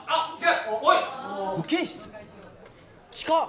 近っ！